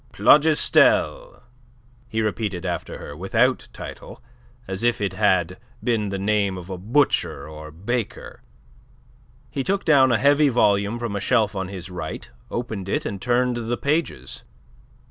"Plougastel," he repeated after her, without title, as if it had been the name of a butcher or baker. He took down a heavy volume from a shelf on his right, opened it and turned the pages.